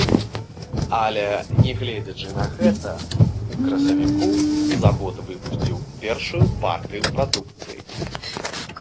Але, не гледзячы на гэта, у красавіку завод выпусціў першую партыю прадукцыі.